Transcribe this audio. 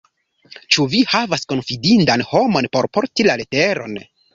Ĉu vi havas konfidindan homon por porti la leteron?